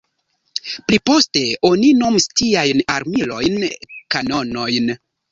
Pliposte oni nomis tiajn armilojn kanonojn.